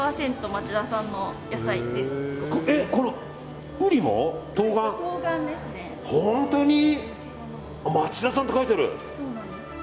町田産って書いてある。